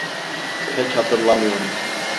Pek hatırlamıyorum.